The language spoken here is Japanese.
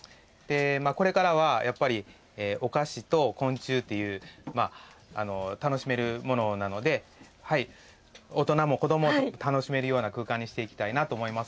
これからはお菓子と昆虫という楽しめるものなので大人も子どもも楽しめるような空間にしていきたいなと思います。